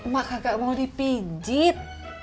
mak kagak mau dipijit